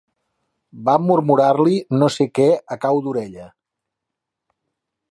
Va murmurar-li no sé què a cau d'orella.